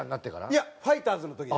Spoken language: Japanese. いやファイターズの時です。